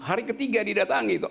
hari ketiga didatangi tuh